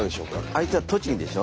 相手は栃木でしょ。